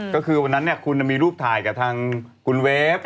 ก็คือวันนั้นคุณมีรูปถ่ายกับทางคุณเวฟ